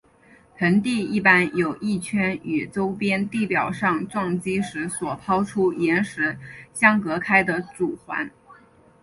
盆地一般有一圈与周边地表上撞击时所抛出岩石相隔开的主环。